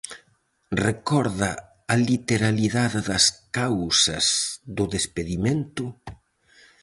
Recorda a literalidade das causas do despedimento?